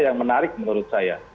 yang menarik menurut saya